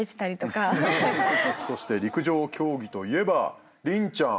そして陸上競技といえば麟ちゃん。